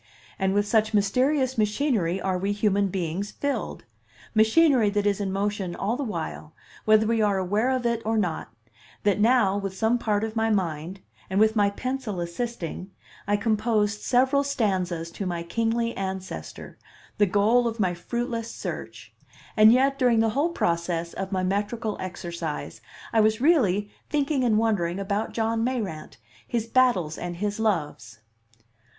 And with such mysterious machinery are we human beings filled machinery that is in motion all the while, whether we are aware of it or not that now, with some part of my mind, and with my pencil assisting, I composed several stanzas to my kingly ancestor, the goal of my fruitless search; and yet during the whole process of my metrical exercise I was really thinking and wondering about John Mayrant, his battles and his loves.